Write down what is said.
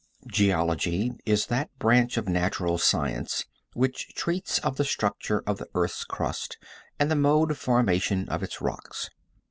Geology is that branch of natural science which treats of the structure of the earth's crust and the mode of formation of its rocks.